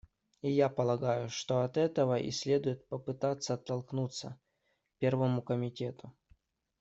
И я полагаю, что от этого и следует попытаться оттолкнуться Первому комитету.